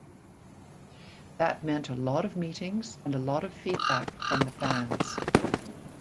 That meant a lot of meetings and a lot of feedback from the fans.